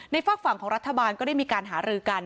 ฝากฝั่งของรัฐบาลก็ได้มีการหารือกัน